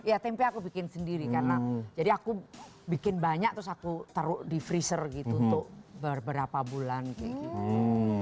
ya tempe aku bikin sendiri karena jadi aku bikin banyak terus aku taruh di freezer gitu untuk beberapa bulan kayak gitu